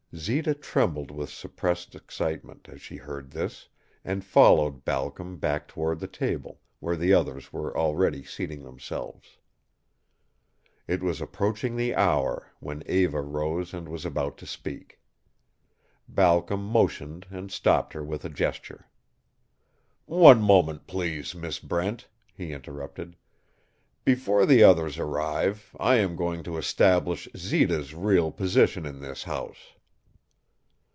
Zita trembled with suppressed excitement as she heard this, and followed Balcom back toward the table, where the others were already seating themselves. It was approaching the hour, when Eva rose and was about to speak. Balcom motioned and stopped her with a gesture. "One moment, please, Miss Brent," he interrupted. "Before the others arrive I am going to establish Zita's real position in this house."